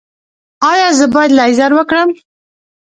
ایا زه باید لیزر وکړم؟